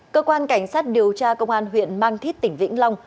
cơ quan cảnh sát điều tra công an huyện mang thít tỉnh vĩnh long